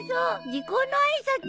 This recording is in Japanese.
時候の挨拶。